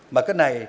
mà cái này